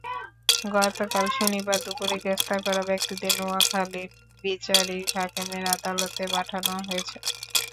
গতকাল শনিবার দুপুরে গ্রেপ্তার করা ব্যক্তিদের নোয়াখালীর বিচারিক হাকিমের আদালতে পাঠানো হয়েছে।